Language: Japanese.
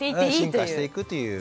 進化していくという。